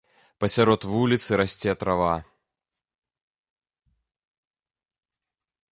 Пасярод вуліцы расце трава.